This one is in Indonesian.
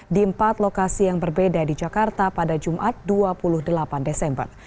di empat lokasi yang berbeda di jakarta pada jumat dua puluh delapan desember